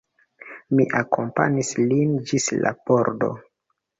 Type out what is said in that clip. Mi akompanis lin ĝis la pordo.